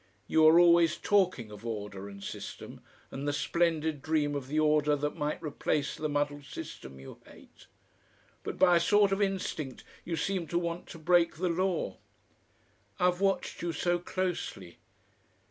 You are always TALKING of order and system, and the splendid dream of the order that might replace the muddled system you hate, but by a sort of instinct you seem to want to break the law. I've watched you so closely.